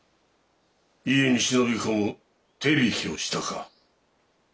家に忍び込む手引きをしたか？